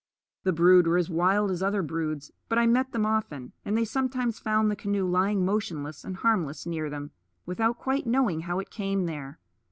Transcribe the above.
The brood were as wild as other broods; but I met them often, and they sometimes found the canoe lying motionless and harmless near them, without quite knowing how it came there.